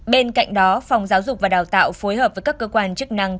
bên cạnh đó phòng giáo dục và đào tạo phối hợp với các cơ quan chức năng